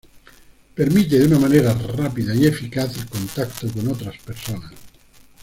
Permite de una manera rápida y eficaz el contacto con otras personas.